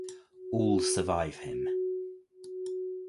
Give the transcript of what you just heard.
All survive him.